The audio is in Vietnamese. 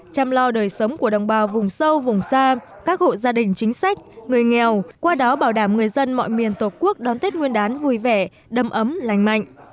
chăm lo đời sống của đồng bào vùng sâu vùng xa các hộ gia đình chính sách người nghèo qua đó bảo đảm người dân mọi miền tổ quốc đón tết nguyên đán vui vẻ đầm ấm lành mạnh